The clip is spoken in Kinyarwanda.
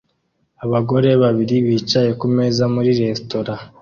Abagore babiri bicaye kumeza muri resitora